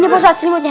ini ustadz siniputnya